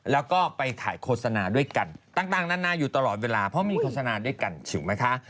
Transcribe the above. แล้วก็ไปขายโฆษณาด้วยกันต่างนานาอยู่ตลอดเวลาเพราะมีโฆษณาด้วยกันถูกไหมคะ